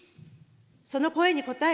その声に応え、